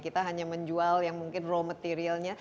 kita hanya menjual yang mungkin raw materialnya